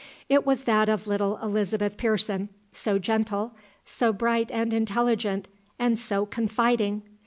It was that of little Elizabeth Pearson, so gentle, so bright and intelligent, and so confiding!